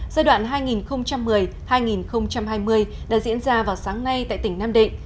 giai đoạn hai nghìn một mươi hai nghìn hai mươi đã diễn ra vào sáng nay tại tỉnh nam định